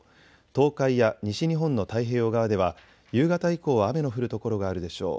東海や西日本の太平洋側では夕方以降は雨の降る所があるでしょう。